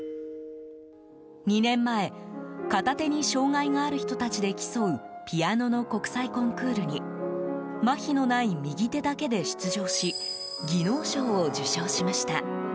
２年前、片手に障害がある人たちで競うピアノの国際コンクールにまひのない右手だけで出場し技能賞を受賞しました。